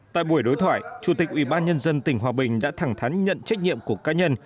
tại buổi đối thoại chủ tịch ubnd tỉnh hòa bình đã thẳng thắn nhận trách nhiệm của cá nhân